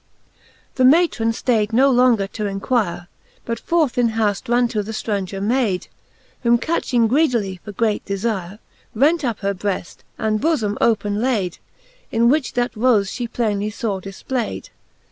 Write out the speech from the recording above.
XIX. The matrone ftayd no lenger to enquire, But forth in haft ran to the ftraunger Mayd ; Whom catching greedily for great defire Rent up her breft, and bofome open layd, In which that rofe fhe plainely faw difplayd.